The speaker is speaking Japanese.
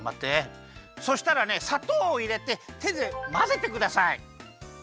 そしたらねさとうをいれててでまぜてください。